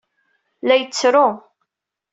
La yettru.